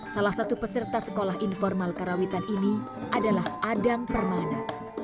salah satu peserta sekolah informal karawitan ini adalah adang permana